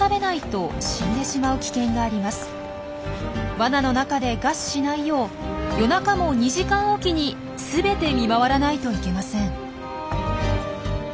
わなの中で餓死しないよう夜中も２時間おきに全て見回らないといけません。